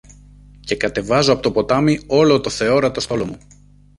και κατεβάζω από το ποτάμι όλο το θεόρατο στόλο μου